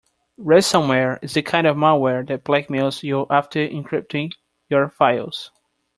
Ransomware is the kind of malware that blackmails you after encrypting your files.